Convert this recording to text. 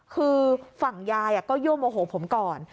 คือฝั่งยายก็ยั่วโมโหผมก่อน